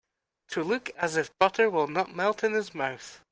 To look as if butter will not melt in his mouth.